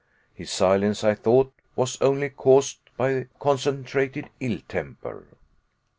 His silence I thought was only caused by concentrated ill temper.